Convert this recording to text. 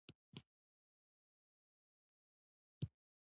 ترانه د لاسونو په پړکولو بدرګه شوه.